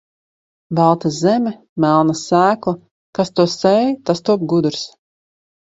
Balta zeme, melna sēkla, kas to sēj, tas top gudrs.